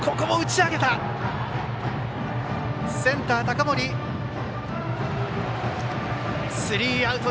センター、高森つかんでスリーアウト。